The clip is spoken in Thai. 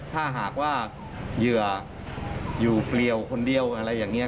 ถ้าหากว่าเหยื่ออยู่เปลี่ยวคนเดียวอะไรอย่างนี้